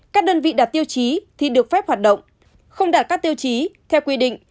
các đơn vị đạt tiêu chí thì được phép hoạt động không đạt các tiêu chí theo quy định